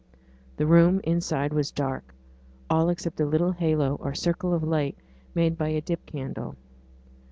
The room inside was dark, all except the little halo or circle of light made by a dip candle.